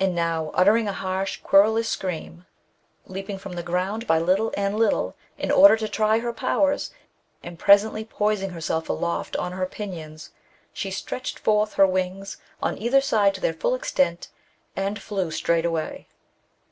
And now, uttering a harsh, querulous scream, 10—2 148 THE BOOK OF WERE WOLVES. leaping from the ground by little and little, in order to try her powers, and presently poising herself aloft on her pinions, she stretched forth her wings on either side to their fall extent, and flew straight away.